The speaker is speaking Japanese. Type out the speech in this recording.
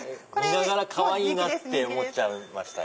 かわいいなって思っちゃいました。